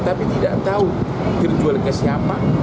tapi tidak tahu terjual ke siapa